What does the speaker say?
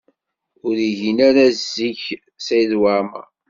Ur igin ara zik Saɛid Waɛmaṛ.